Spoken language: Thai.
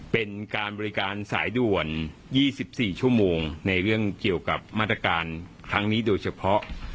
เป็นการบริการสายด่วน๒๔ชั่วโมงในเรื่องเกี่ยวกับมาตรการครั้งนี้โดยเฉพาะ